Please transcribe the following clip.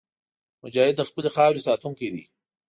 مجاهد د خپلې خاورې ساتونکی دی.